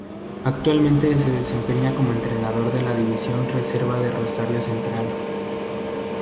Actualmente se desempeña como entrenador de la división reserva de Rosario Central.